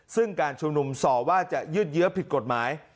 ซึ่งการชุมนุมส่อว่าจะยืดเยื้อผิดกฎหมาย